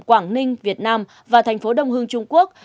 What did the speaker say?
quảng ninh việt nam và thành phố đông hưng trung quốc